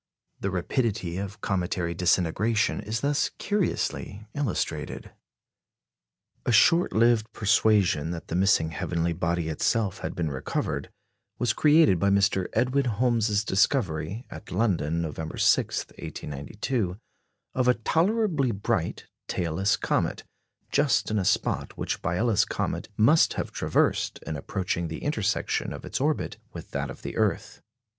The rapidity of cometary disintegration is thus curiously illustrated. A short lived persuasion that the missing heavenly body itself had been recovered, was created by Mr. Edwin Holms's discovery, at London, November 6, 1892, of a tolerably bright, tailless comet, just in a spot which Biela's comet must have traversed in approaching the intersection of its orbit with that of the earth.